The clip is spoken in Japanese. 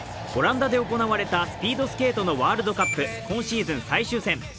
オランダで行われたスピードスケートのワールドカップ今シーズン最終戦。